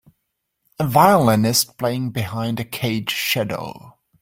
A violinist playing behind a cage shadow.